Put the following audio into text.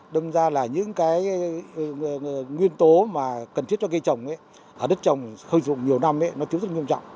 đâm ra là những cái nguyên tố mà cần thiết cho cây trồng ở đất trồng hơi dụng nhiều năm nó thiếu rất nghiêm trọng